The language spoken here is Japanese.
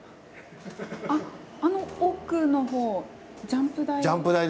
あっあの奥の方ジャンプ台。